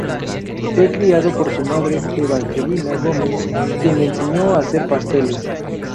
Fue criado por su madre, Evangelina Gómez, quien le enseñó a hacer pasteles.